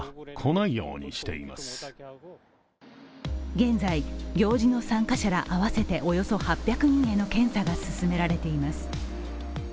現在、行事の参加者ら合わせておよそ８００人への検査が進められています。